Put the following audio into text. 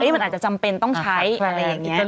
อ้ายมันอาจจะจำเป็นต้องใช้อะไรแย่งเนี้ย